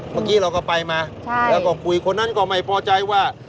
เมื่อกี้เราก็ไปมาแล้วก็คุยคนนั้นก็ไม่พอใจว่า